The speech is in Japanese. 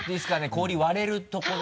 氷割れるところ。